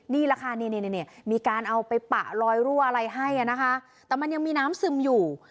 นี่แหละค่ะนี่มีการเอาไปปะลอยรั่วอะไรให้นะคะแต่มันยังมีน้ำซึมอยู่